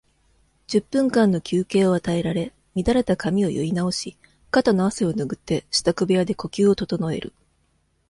十分間の休憩を与えられ、乱れた髪を結い直し、肩の汗をぬぐって、支度部屋で呼吸を整える。